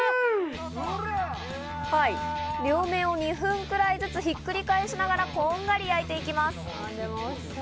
はい、両面を２分くらいずつひっくり返しながら、こんがり焼いていきます。